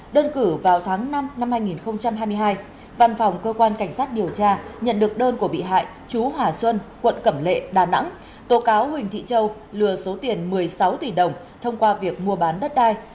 đơn cử vào tháng năm năm hai nghìn hai mươi hai văn phòng cơ quan cảnh sát điều tra nhận được đơn của bị hại chú hòa xuân quận cẩm lệ đà nẵng tố cáo huỳnh thị châu lừa số tiền một mươi sáu tỷ đồng thông qua việc mua bán đất đai